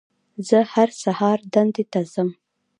زه هر سهار دندې ته ځم